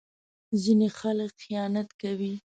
ځینې خلک خیانت کوي.